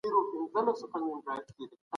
د مذهبي اقلیتونو عبادت ځایونه باید زیانمن نه سي.